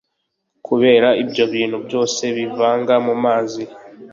kubera ibyo bintu byose byivanga mu mazi